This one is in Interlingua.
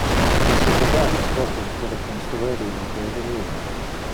Nostre secundari scopo es de reconstruer illo que eveniva.